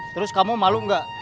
terus kamu malu enggak